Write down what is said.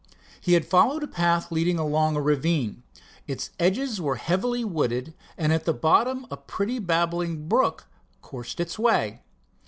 He had followed a path leading along a ravine. Its edges were heavily wooded, and at the bottom a pretty babbling brook coursed its way.